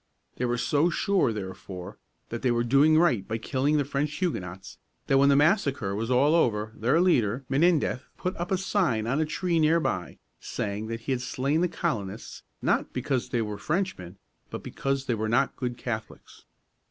They were so sure, therefore, that they were doing right by killing the French Huguenots, that when the massacre was all over, their leader, Menendez (mā nen´deth) put up a sign on a tree near by, saying that he had slain the colonists, not because they were Frenchmen, but because they were not good Catholics.